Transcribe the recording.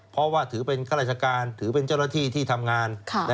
เพราะว่าถือเป็นข้าราชการถือเป็นเจ้าหน้าที่ที่ทำงาน